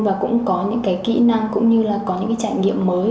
và cũng có những cái kỹ năng cũng như là có những cái trải nghiệm mới